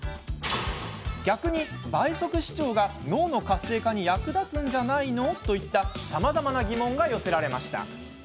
逆に「倍速視聴が脳の活性化に役立つんじゃないの？」といったさまざまな疑問が寄せられました。